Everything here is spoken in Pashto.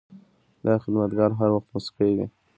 دا خدمتګار هر وخت موسکی وي.